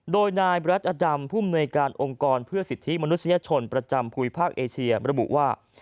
โดยนายรัฐอจำผู้มนวยการองค์กรเพื่อสิทธิมนุษยชนประจำภูมิภาคเอเชียระบุว่า